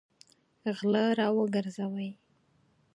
غله راوګرځوئ!